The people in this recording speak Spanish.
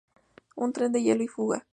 Un Tren de Hielo y Fuego".